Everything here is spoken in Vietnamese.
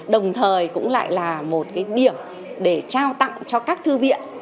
đồng thời cũng lại là một cái điểm để trao tặng cho các thư viện